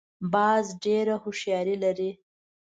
باز ډېره هوښیاري لري